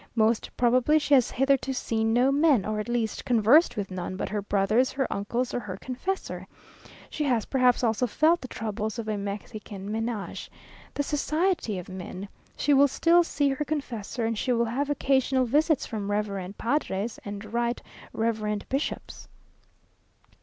Most probably she has hitherto seen no men, or at least conversed with none but her brothers, her uncles, or her confessor. She has perhaps also felt the troubles of a Mexican menage. The society of men! She will still see her confessor, and she will have occasional visits from reverend padres and right reverend bishops.